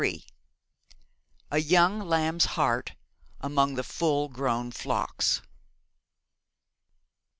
'A YOUNG LAMB'S HEART AMONG THE FULL GROWN FLOCKS.'